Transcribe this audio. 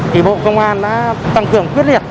thì bộ công an đã tăng cường quyết liệt